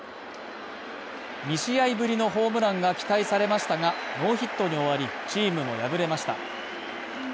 ２試合ぶりのホームランが期待されましたが、ノーヒットに終わり、チームも敗れました。